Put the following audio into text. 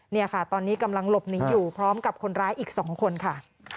นี่ค่ะตอนนี้กำลังหลบหนีอยู่พร้อมกับคนร้ายอีก๒คนค่ะ